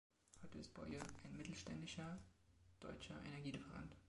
Heute ist "Boie" ein mittelständischer, deutscher Energie-Lieferant.